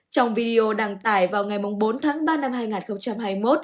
trong video đăng tải vào ngày bốn ba hai nghìn hai mươi một